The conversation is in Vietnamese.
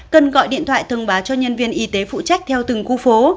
cần gọi điện thoại thông báo cho nhân viên y tế phụ trách theo từng khu phố